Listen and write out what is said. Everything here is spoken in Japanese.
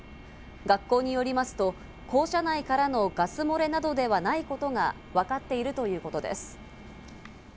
学校によりますと校舎内からのガス漏れなどではないことがわかっているということです。